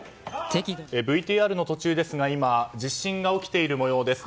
ＶＴＲの途中ですが今地震が起きています。